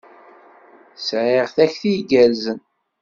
Sɛiɣ takti igerrzen.